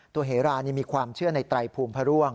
เหรานี่มีความเชื่อในไตรภูมิพระร่วง